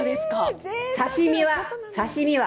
刺身は。